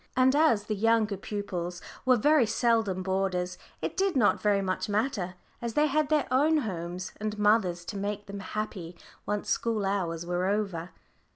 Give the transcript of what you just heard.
And as the younger pupils were very seldom boarders it did not very much matter, as they had their own homes and mothers to make them happy once school hours were over.